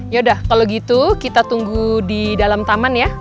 yaudah kalau gitu kita tunggu di dalam taman ya